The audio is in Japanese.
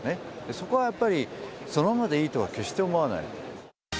そこはやっぱり、そのままでいいとは決して思わない。